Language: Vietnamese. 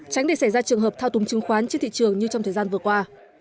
tránh để xảy ra trường hợp thao túng chứng khoán trên thị trường như trong thời gian vừa qua